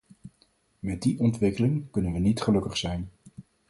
Met die ontwikkeling kunnen we niet gelukkig zijn.